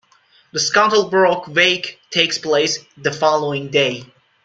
The Scuttlebrook Wake takes place the following day.